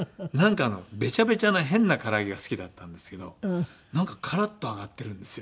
ベチャベチャな変な唐揚げが好きだったんですけどカラッと揚がってるんですよ。